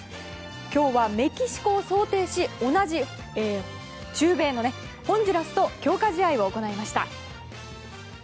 今日はメキシコを想定し、同じ中米のホンジュラスと強化試合を行いました。